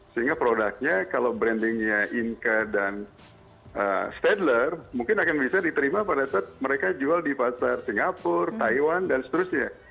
sehingga produknya kalau brandingnya inka dan stadler mungkin akan bisa diterima pada saat mereka jual di pasar singapura taiwan dan seterusnya